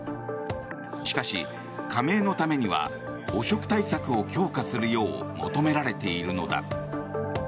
しかし、加盟のためには汚職対策を強化するよう求められているのだ。